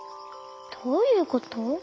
どういうこと？